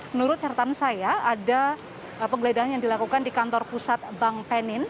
menurut catatan saya ada penggeledahan yang dilakukan di kantor pusat bank penin